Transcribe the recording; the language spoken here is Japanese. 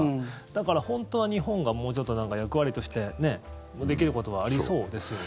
だから本当は日本がもうちょっと役割としてできることはありそうですよね。